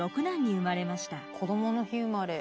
こどもの日生まれ。